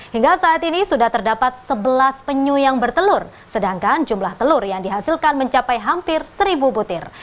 hingga saat ini sudah terdapat sebelas penyu yang bertelur sedangkan jumlah telur yang dihasilkan mencapai hampir seribu butir